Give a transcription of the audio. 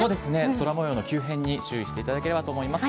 空もようの急変に注意していただければと思います。